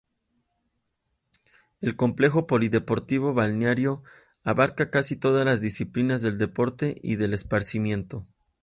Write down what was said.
El Complejo Polideportivo Balneario abarca casi todas las disciplinas del deporte y del esparcimiento.